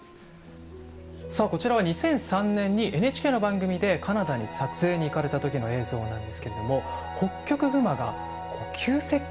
さあこちらは２００３年にＮＨＫの番組でカナダに撮影に行かれた時の映像なんですけれどもホッキョクグマが急接近してきたと。